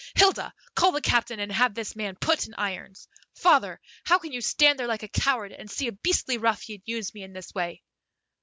Hilda, call the captain and have this man put in irons. Father, how can you stand there like a coward and see a beastly ruffian use me in this way?"